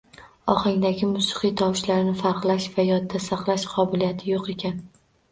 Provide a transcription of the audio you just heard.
Ohangdagi musiqiy tovushlarni farqlash va yodda saqlash qobiliyati yo‘q ekan.